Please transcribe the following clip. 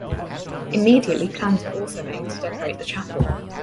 Immediately plans were also made to decorate the chapel.